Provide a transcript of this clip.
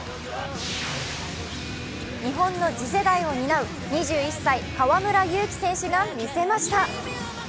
日本の次世代を担う２１歳、河村勇輝選手が見せました。